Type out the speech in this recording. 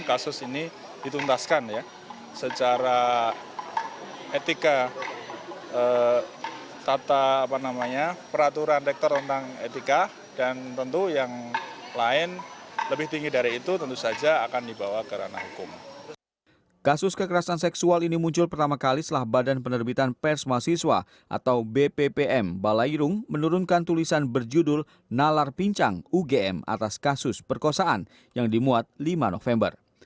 kasus kekerasan seksual ini muncul pertama kali setelah badan penerbitan pers masiswa atau bppm balairung menurunkan tulisan berjudul nalar pincang ugm atas kasus perkosaan yang dimuat lima november